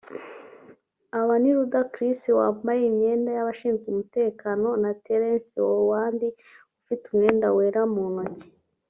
Aba ni Ludacris (wambaye imyenda y'abashinzwe umutekano) na Terrence Howard (ufite umwenda wera mu ntoki)